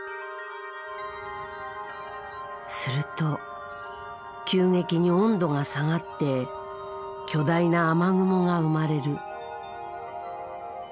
すると急激に温度が下がって巨大な雨雲が生まれる。